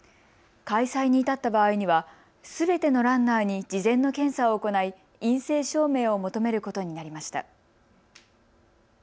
開催に至った場合にはすべてのランナーに事前の検査を行い、陰性証明を求めることになりました。